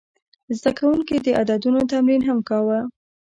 زده کوونکي د عددونو تمرین هم کاوه.